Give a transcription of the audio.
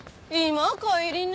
今帰りね？